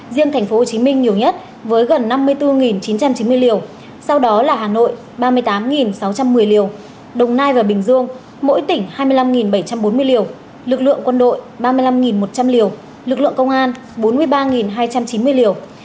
riêng tp hcm nhiều nhất với gần năm mươi bốn chín trăm chín mươi liều sau đó là hà nội ba mươi tám sáu trăm một mươi liều đồng nai và bình dương mỗi tỉnh hai mươi năm bảy trăm bốn mươi liều lực lượng quân đội ba mươi năm một trăm linh liều lực lượng công an bốn mươi ba hai trăm chín mươi liều